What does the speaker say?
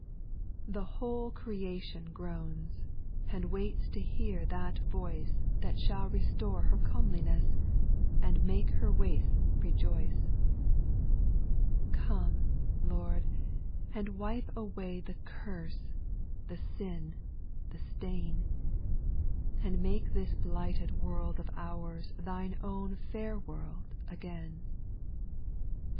The whole creation groans, And waits to hear that voice That shall restore her comeliness, And make her wastes rejoice. Come, Lord, and wipe away The curse, the sin, the stain. And make this blighted world of ours Thine own fair world again.